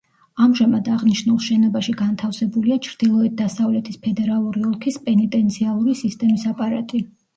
ამჟამად აღნიშნულ შენობაში განთავსებულია ჩრდილოეთ-დასავლეთის ფედერალური ოლქის პენიტენციალური სისტემის აპარატი.